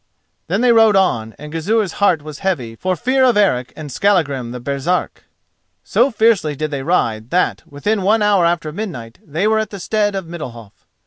Then they rode on, and Gizur's heart was heavy for fear of Eric and Skallagrim the Baresark. So fiercely did they ride that, within one hour after midnight, they were at the stead of Middalhof.